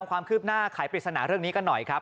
ความคืบหน้าขายปริศนาเรื่องนี้กันหน่อยครับ